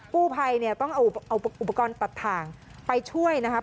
ปู้ไภต้องเอาอุปกรณ์ปัดทางไปช่วยนะครับ